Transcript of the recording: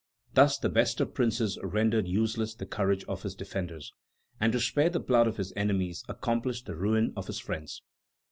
"Thus, the best of princes rendered useless the courage of his defenders, and to spare the blood of his enemies accomplished the ruin of his friends.